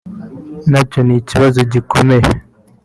na cyo ni ikibazo gikomeye